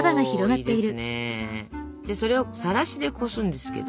じゃあそれをさらしでこすんですけど。